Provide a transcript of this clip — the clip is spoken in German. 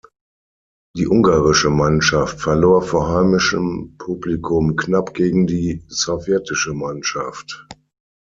Die ungarische Mannschaft verlor vor heimischem Publikum knapp gegen die sowjetische Mannschaft.